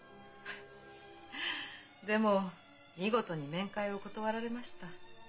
フッでも見事に面会を断られました。